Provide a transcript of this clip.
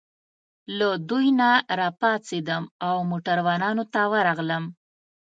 له دوی نه راپاڅېدم او موټروانانو ته راغلم.